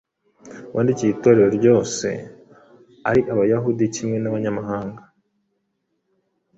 wandikiye Itorero ryose ari Abayahudi kimwe n’Abanyamahanga.